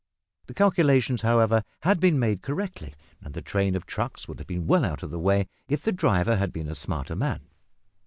The calculations, however, had been made correctly, and the train of trucks would have been well out of the way, if the driver had been a smarter man.